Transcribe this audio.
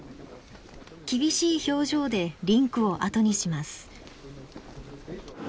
厳しい表情でリンクを後にします。